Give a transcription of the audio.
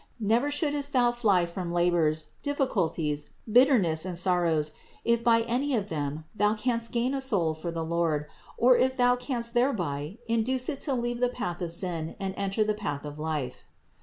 Never shouldst thou fly from labors, diffi culties, bitterness and sorrows, if by any of them thou canst gain a soul for the Lord, or if thou canst thereby induce it to leave the path of sin and enter the path of life.